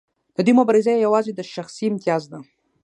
د دوی مبارزه یوازې د شخصي امتیاز ده.